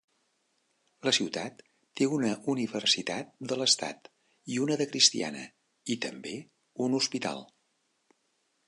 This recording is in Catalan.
La ciutat té una universitat de l'estat i una de cristiana, i també un hospital.